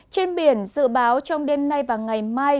trên biển dự báo trong đêm nay và ngày mai